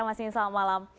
mas insalam malam